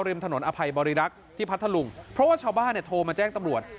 ริมถนนอภัยบริรักษ์ที่พัทธลุงเพราะว่าชาวบ้านเนี่ยโทรมาแจ้งตำรวจ